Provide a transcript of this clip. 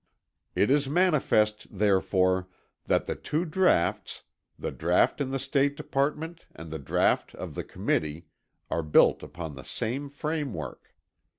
It is manifest, therefore, that the two draughts, the draught in the State Department and the draught of the Committee, are built upon the same framework.